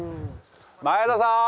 前田さん！